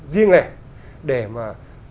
riêng này để mà